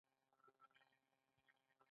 توپونه وغړومبېدل.